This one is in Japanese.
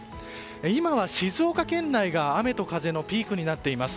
今は静岡県内が雨と風のピークになっています。